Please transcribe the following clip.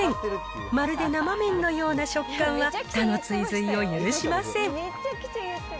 まるで生麺のような食感は、他の追随を許しません。